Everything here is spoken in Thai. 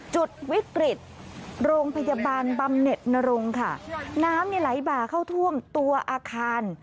จุดวิกฤตโรงพยาบาลบำเน็ตนรงค่ะน้ำเนี่ยไหลบ่าเข้าท่วมตัวอาคาร